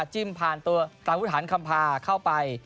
จิ้มผ่านตัวกลางพุทธฐานคำพาเข้าไป